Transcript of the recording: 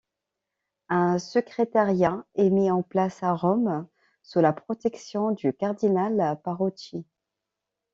Un secrétariat est mis en place à Rome sous la protection du cardinal Parocchi.